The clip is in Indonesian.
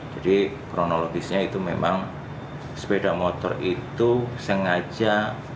jadi kronologisnya itu memang sepeda motor itu sengaja